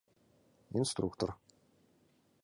— Инструктор.